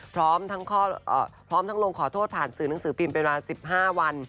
พร้อมทั้งลงขอโทษผ่านสื่อหนังสือพิมพ์เป็นเวลา๑๕วัน